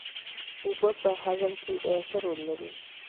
اوبه په هاضمه کې څه رول لري